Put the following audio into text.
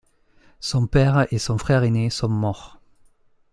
Son père et son frère ainé sont morts.